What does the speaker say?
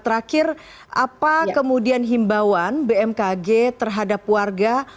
terakhir apa kemudian himbauan bmkg terhadap warga